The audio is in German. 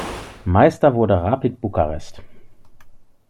Meister wurde Rapid Bukarest.